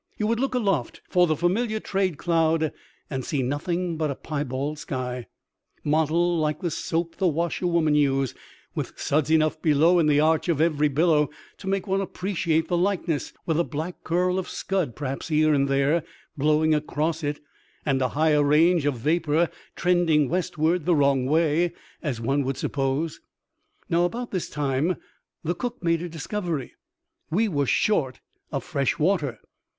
You would look aloft for the familiar trade cloud and see nothing but a piebald sky, mottled like the soap the washerwomen use, with suds enough below in the arch of every billow to make one appreciate the likeness, with a black curl of scud, perhaps, here and there, blowing across it, and a higher range of vapour trending westward, the wrong way, as one would suppose. Now, about this time the cook made a discovery. We were short of fresh water.